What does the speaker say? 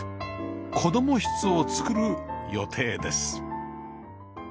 子供室を作る予定です